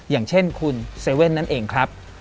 อย่างเช่นคุณ๗๑๑นั้นเองครับ